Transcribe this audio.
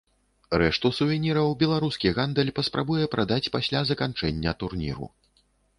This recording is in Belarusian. Рэшту сувеніраў беларускі гандаль паспрабуе прадаць пасля заканчэння турніру.